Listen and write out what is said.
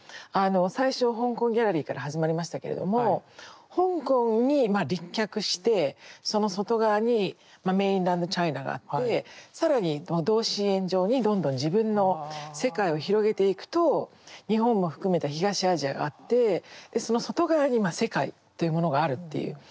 最初香港ギャラリーから始まりましたけれども香港にまあ立脚してその外側にメインランドチャイナがあって更に同心円状にどんどん自分の世界を広げていくと日本も含めた東アジアがあってその外側にまあ世界というものがあるっていう。